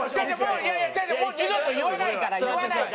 違う違うもう二度と言わないから言わないから！